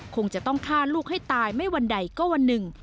คงจะต้องฆ่าลูกให้ตายไม่วันใดก็วันหนึ่ง